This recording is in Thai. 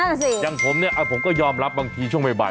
นั่นแหละสิอย่างผมเนี่ยผมก็ยอมรับบางทีช่วงบ่าย